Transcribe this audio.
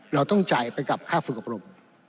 เราต้องจ่ายไปกับค่าฝึกอบรม